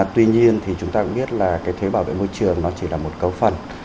tuy nhiên thì chúng ta cũng biết là cái thuế bảo vệ môi trường nó chỉ là một cấu phần